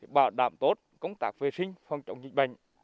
bảo đảm tốt công tác vệ sinh phong trọng dịch bệnh